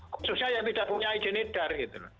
khususnya yang tidak punya ijin edar